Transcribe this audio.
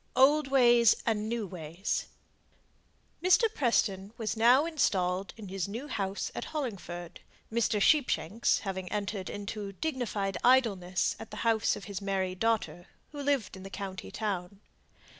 OLD WAYS AND NEW WAYS. [Illustration (untitled)] Mr. Preston was now installed in his new house at Hollingford; Mr. Sheepshanks having entered into dignified idleness at the house of his married daughter, who lived in the county town.